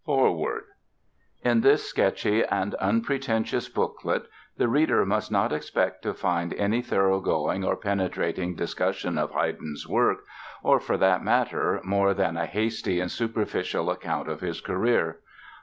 ] FOREWORD In this sketchy and unpretentious booklet the reader must not expect to find any thoroughgoing or penetrating discussion of Haydn's works or, for that matter, more than a hasty and superficial account of his career.